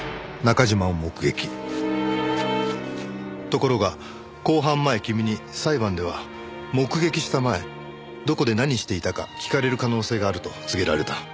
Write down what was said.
ところが公判前君に裁判では目撃した前どこで何していたか聞かれる可能性があると告げられた。